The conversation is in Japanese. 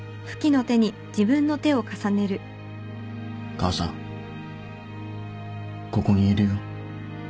母さんここにいるよ。